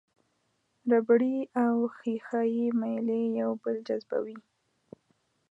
ربړي او ښيښه یي میلې یو بل جذبوي.